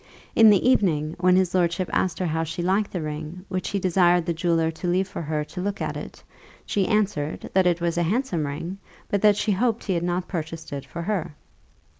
In the evening, when his lordship asked her how she liked the ring, which he desired the jeweller to leave for her to look at it, she answered, that it was a handsome ring, but that she hoped he had not purchased it for her.